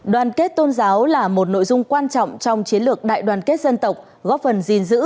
đoàn kết tôn giáo là một nội dung quan trọng trong chiến lược đại đoàn kết dân tộc góp phần gìn giữ